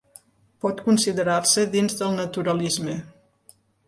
Pot considerar-se dins del Naturalisme.